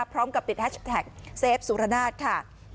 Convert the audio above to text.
พร้อมกับติดแฮชแท็กเซฟสุรนาศค่ะ